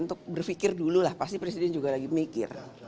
untuk berpikir dulu lah pasti presiden juga lagi mikir